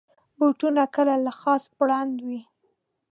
بوټونه کله له خاص برانډ وي.